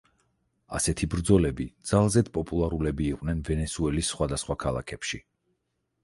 ასეთი ბრძოლები ძალზედ პოპულარულები იყვნენ ვენესუელის სხვადასხვა ქალაქებში.